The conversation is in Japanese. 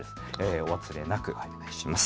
お忘れなくお願いします。